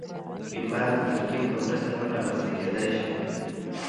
ایمان د تلقین په مرسته هم رامنځته کېدای شي